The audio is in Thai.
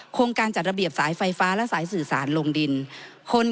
โครงการจัดระเบียบสายไฟฟ้าและสายสื่อสารลงดิน